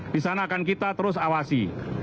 di sana akan kita terus awasi